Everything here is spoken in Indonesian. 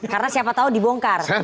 karena siapa tau dibongkar